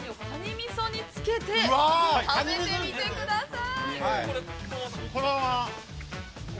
みそにつけて食べてみてください。